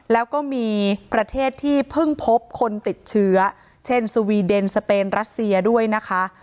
แล้วก็มีประเทศที่เพิ่งพบคนติดเชื้อเช่นสวีเดนสเปนรัสเซียด้วยนะคะ